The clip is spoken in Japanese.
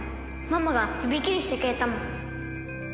ママが指切りしてくれたもん。